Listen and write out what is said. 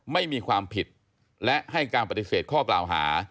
ไม่มีความผิดและให้การปฏิเสธข้อกล่าวหา